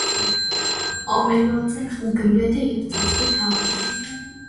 Ավերված են գմբեթը և ծածկի թաղերը։